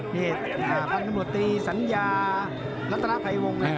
นี่พันธุ์บริโภตีสัญญาลัตราไพรวงศ์